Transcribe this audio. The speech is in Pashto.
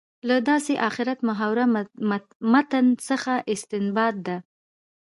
له داسې آخرت محوره متن څخه استنباط ده.